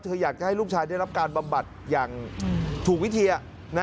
อยากจะให้ลูกชายได้รับการบำบัดอย่างถูกวิธี